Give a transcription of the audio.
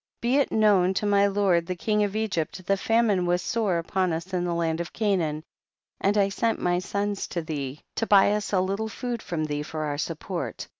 30. Be it known to my lord the king of Egypt, the famine was sore upon us in the land of Canaan, and I sent my sons to thee to buy us a lit tle food from thee for our support.